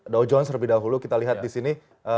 dow jones lebih dahulu kita lihat di sini